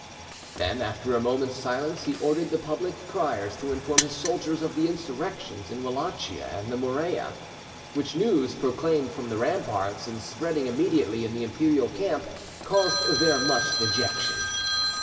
Then, after a moment's silence, he ordered the public criers to inform his soldiers of the insurrections in Wallachia and the Morea, which news, proclaimed from the ramparts, and spreading immediately in the Imperial camp, caused there much dejection.